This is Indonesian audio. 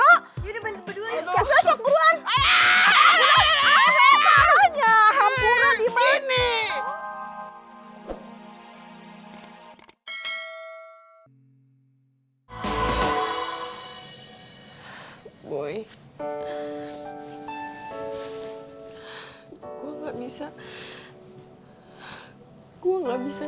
aduh mamut keluar gak dari kamar gue